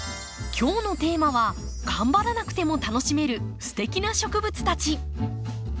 今日のテーマはがんばらなくても楽しめるステキな植物たち。